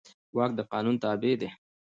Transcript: واک د قانون تابع دی.